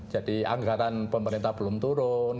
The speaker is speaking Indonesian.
jadi anggaran pemerintah belum turun